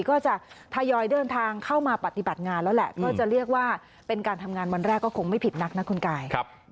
ก็จะทยอยเดินทางเข้ามาปฏิบัติงานแล้วแหละก็จะเรียกว่าเป็นการทำงานวันแรกก็คงไม่ผิดนักนะคุณกาย